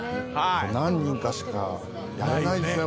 何人かしかやれないですね